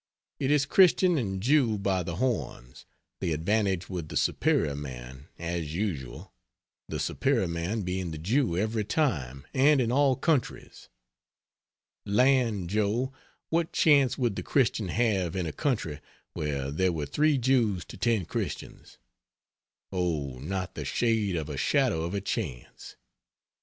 It is Christian and Jew by the horns the advantage with the superior man, as usual the superior man being the Jew every time and in all countries. Land, Joe, what chance would the Christian have in a country where there were 3 Jews to 10 Christians! Oh, not the shade of a shadow of a chance.